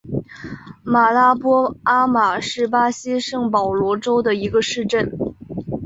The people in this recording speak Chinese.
马拉波阿马是巴西圣保罗州的一个市镇。